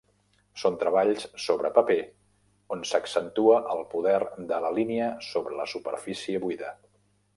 Són treballs sobre paper on s'accentua el poder de la línia sobre la superfície buida.